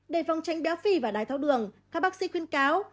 để phòng tránh béo phì và đai tháo đường các bác sĩ khuyến cáo